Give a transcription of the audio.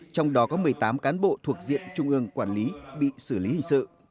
trong đó có một mươi tám cán bộ thuộc diện trung ương quản lý bị xử lý hình sự